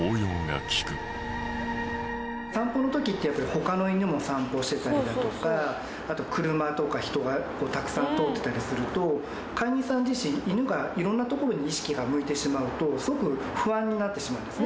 散歩の時ってやっぱり他の犬も散歩してたりだとかあと車とか人がたくさん通ってたりすると飼い主さん自身犬が色んな所に意識が向いてしまうとすごく不安になってしまうんですね。